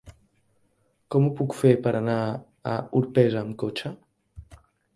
Com ho puc fer per anar a Orpesa amb cotxe?